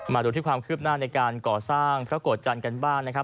มาดูที่ความคืบหน้าในการก่อสร้างพระโกรธจันทร์กันบ้างนะครับ